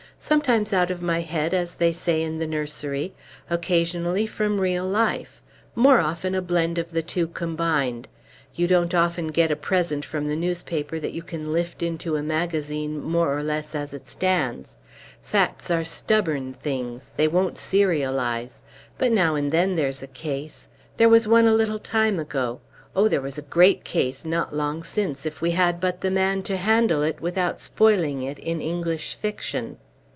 "Sometimes out of my head, as they say in the nursery; occasionally from real life; more often a blend of the two combined. You don't often get a present from the newspaper that you can lift into a magazine more or less as it stands. Facts are stubborn things; they won't serialize. But now and then there's a case. There was one a little time ago. Oh, there was a great case not long since, if we had but the man to handle it, without spoiling it, in English fiction!"